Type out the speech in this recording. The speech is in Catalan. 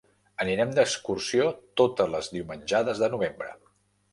Anirem d'excursió totes les diumenjades de novembre.